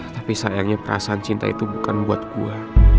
tapi sayangnya perasaan cinta itu bukan buat gue